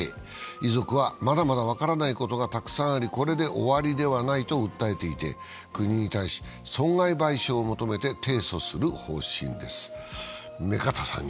遺族はまだまだ分からないことがたくさんあり、これで終わりではないと訴えていて、国に対し損害賠償を求めて提訴する方針です。